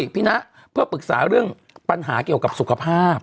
พี่นะเพื่อปรึกษาเรื่องปัญหาเกี่ยวกับสุขภาพ